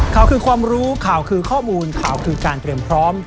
ข่าวคือความรู้ข่าวคือข้อมูลข่าวคือการเตรียมพร้อม